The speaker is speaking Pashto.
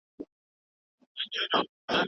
ادبي غونډې په انلاین بڼه ډېر مخاطبین لري.